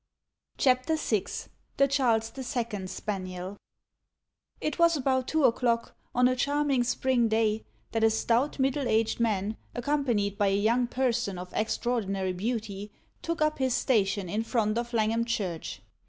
CHAPTER VI THE CHARLES THE SECOND SPANIEL It was about two o'clock, on a charming spring day, that a stout middle aged man, accompanied by a young person of extraordinary beauty, took up his station in front of Langham Church.